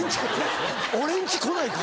俺ん家来ないか？